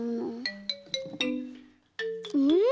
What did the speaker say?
うん？